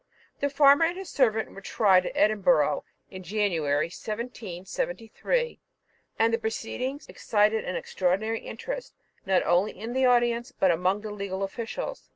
The farmer and his servant were tried at Edinburgh in January 1773, and the proceedings excited an extraordinary interest, not only in the audience, but amongst the legal officials.